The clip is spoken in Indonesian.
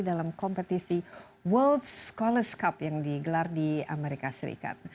dalam kompetisi world scholars cup yang digelar di amerika serikat